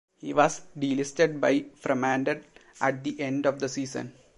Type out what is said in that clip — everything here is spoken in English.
He was delisted by Fremantle at the end of the season.